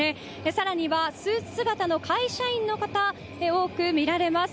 更にはスーツ姿の会社員の方多く見られます。